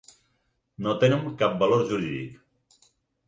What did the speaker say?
No tenen cap valor jurídic.